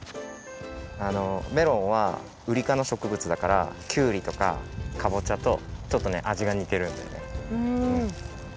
メロンはウリかのしょくぶつだからきゅうりとかかぼちゃとちょっとね味がにてるんだよね。